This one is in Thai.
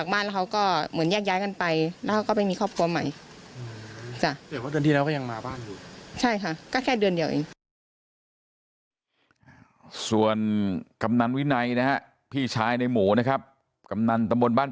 มาคนเดียวคิดดีใจว่ายังไงก็ตาย